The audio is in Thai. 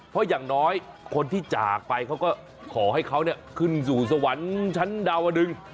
เพราะอย่างน้อยคนที่จากไปเขาก็ขอให้เขาขึ้นสู่สวรรค์ชั้นดาวดึง